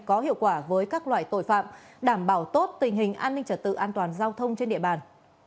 có hiệu quả với các loại tội phạm đảm bảo tốt tình hình an ninh trật tự an toàn giao thông trên địa bàn